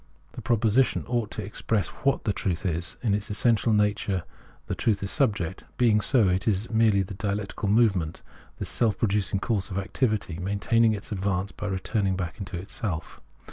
The proposition ought to ex press ivhat the truth is : in its essential nature the truth is subject : being so, it is merely the dialectical move ment, this self producing course of activity, maintaining its advance by returning back into itself.